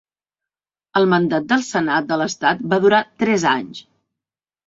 El mandat del Senat de l'Estat va durar tres anys.